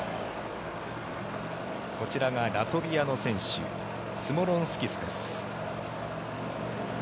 こちらがラトビアの選手スモロンスキスです。